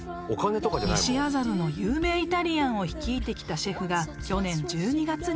［西麻布の有名イタリアンを率いてきたシェフが去年１２月にオープン］